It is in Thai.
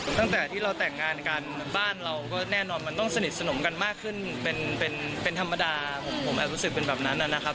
ตั้งแต่ที่เราแต่งงานกันบ้านเราก็แน่นอนมันต้องสนิทสนมกันมากขึ้นเป็นธรรมดาผมแอบรู้สึกเป็นแบบนั้นนะครับ